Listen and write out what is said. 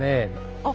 あっ